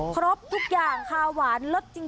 ครบทุกอย่างค่ะหวานรสจริง